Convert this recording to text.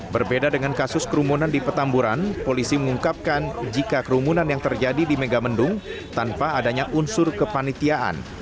berbeda dengan kasus kerumunan di petamburan polisi mengungkapkan jika kerumunan yang terjadi di megamendung tanpa adanya unsur kepanitiaan